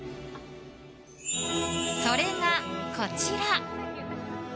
それが、こちら。